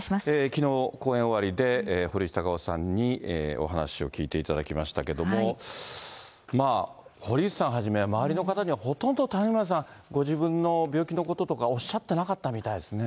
きのう、公演終わりで堀内孝雄さんにお話を聞いていただきましたけども、まあ、堀内さんはじめ、周りの方にはほとんど谷村さん、ご自分の病気のこととかおっしゃってなかったみたいですね。